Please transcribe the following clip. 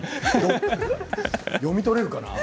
読み取れるかな。